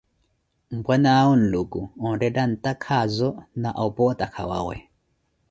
Mpwanaawo Nluku, onretta antakhaazo, na opo otakhawawe.